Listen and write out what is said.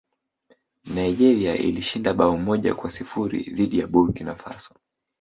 nigeria ilishinda bao moja kwa sifuri dhidi ya burki na faso